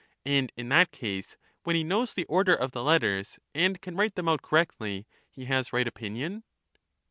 And in that case, when he knows the order of the letters and can write them out correctly, he has right opinion